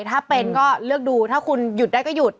ถ้าเป็นก็เลือกดูถ้าคุณหยุดได้ก็หยุด